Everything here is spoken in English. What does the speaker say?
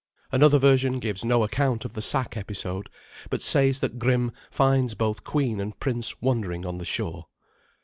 Another version gives no account of the sack episode, but says that Grim finds both queen and prince wandering on the shore.